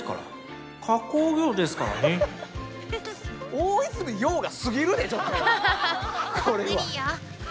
大泉洋が過ぎるでちょっとこれは。